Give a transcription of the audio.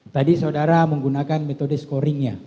tadi saudara menggunakan metode scoring ya